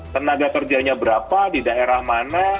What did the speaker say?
tenaga kerjanya berapa di daerah mana